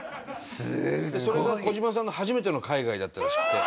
すごい！それがコジマさんの初めての海外だったらしくて。